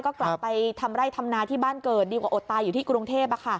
ก็กลับไปทำไร่ทำนาที่บ้านเกิดดีกว่าอดตายอยู่ที่กรุงเทพ